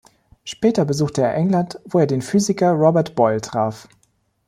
Später besuchte er England, wo er den Physiker Robert Boyle traf.